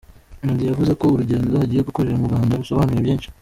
Meddy yavuze ko urugendo agiye gukorera mu Rwanda rusobanuye byinshi.